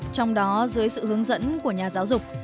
trong đó dưới sự hướng dẫn của nhà giáo dục